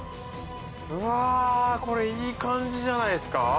うわこれいい感じじゃないですか。